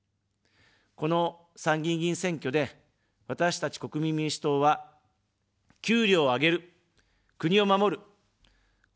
この参議院議員選挙で、私たち国民民主党は、給料を上げる、国を守る、この２つのテーマを掲げました。